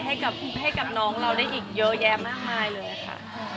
ให้กับน้องเราได้อีกเยอะแยะมากมายเลยค่ะ